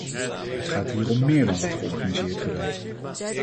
Het gaat hier om meer dan wat ongeorganiseerd geweld.